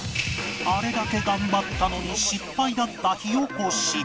あれだけ頑張ったのに失敗だった火おこし